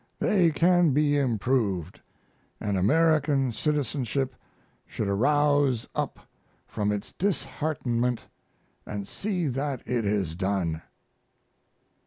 They can be improved, and American citizenship should arouse up from its disheartenment and see that it is done.